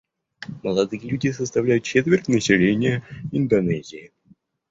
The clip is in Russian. Молодые люди составляют четверть населения Индонезии.